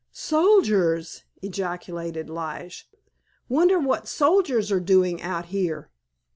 "Soldiers!" ejaculated Lige. "Wonder what soldiers are doing out here?"